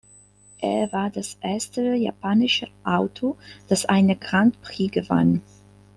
Er war das erste japanische Auto, das einen Grand Prix gewann.